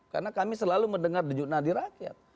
karena kami selalu mendengar dejunah di rakyat